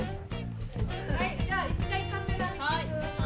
はいじゃあ一回カメラ見てください。